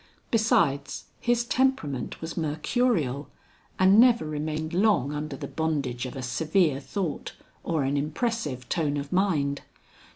Besides, his temperament was mercurial, and never remained long under the bondage of a severe thought, or an impressive tone of mind.